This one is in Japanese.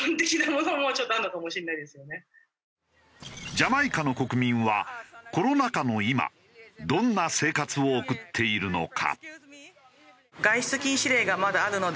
ジャマイカの国民はコロナ禍の今どんな生活を送っているのか？